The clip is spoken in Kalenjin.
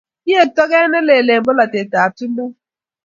Kiek toket ne lel eng polatet ab chumbek